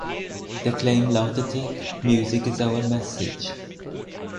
Der Claim lautete "„Music is our message“".